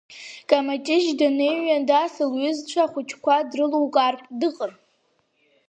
Камаҷыҷ даныҩеидас, лҩызцәа ахәыҷқәа дрылукаартә дыҟан.